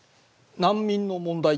難民の問題？